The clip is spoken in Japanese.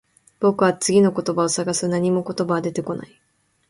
僕は次の言葉を探す。何も言葉は出てこない。